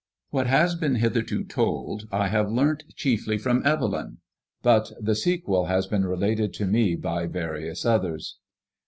What has been hitherto told, I have learnt chiefly from Evelyn, I ut the sequel has been related to me by various others.